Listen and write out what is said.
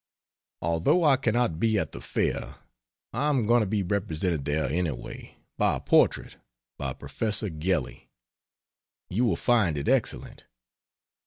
Although I cannot be at the Fair, I am going to be represented there anyway, by a portrait, by Professor Gelli. You will find it excellent.